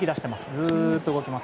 ずっと動きます。